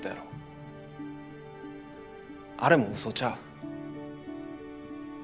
あれもうそちゃう。